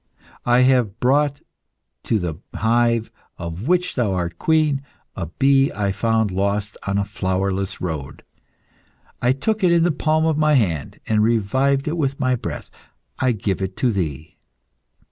I have brought to the hive, of which thou art queen, a bee I found lost on a flowerless road. I took it in the palm of my hand, and revived it with my breath. I give it to thee."